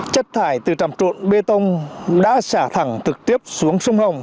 chất thải từ tràm trộn bê tông đã xả thẳng trực tiếp xuống sông hồng